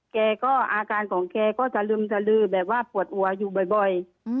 แกก็อาการของแกก็จะลึมสลือแบบว่าปวดหัวอยู่บ่อย